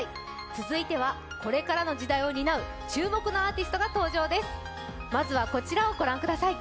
続いてはこれからの時代を担う注目のアーティストが登場ですまずはこちらをご覧ください